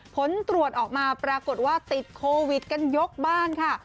ผลตรวจออกมาปรากฏว่าติดโควิดกันยกบ้านค่ะ